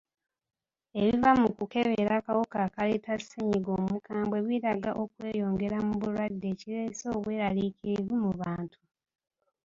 Ebiva mu kukebera akawuka akaleeta ssennyiga omukambwe biraga okweyongera mu balwadde ekireese obweraliikirivu mu bantu.